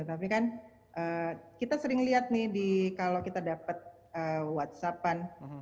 tapi kan kita sering lihat nih kalau kita dapat whatsapp